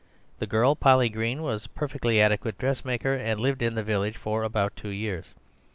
The girl Polly Green was a perfectly adequate dressmaker, and lived in the village for about two years.